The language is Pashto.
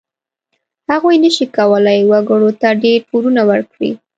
هغوی نشي کولای وګړو ته ډېر پورونه ورکړي.